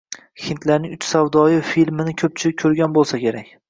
Hindlarning “Uch savdoyi” filmini koʻpchilik koʻrgan boʻlsa kerak.